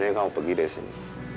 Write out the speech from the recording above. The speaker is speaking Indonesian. nanti kamu pergi dari sini